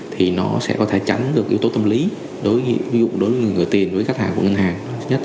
thì nó sẽ có thể tránh được yếu tố tâm lý đối với người tiền với khách hàng của ngân hàng